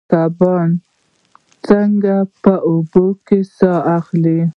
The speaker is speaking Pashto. کبان څنګه په اوبو کې ساه اخلي؟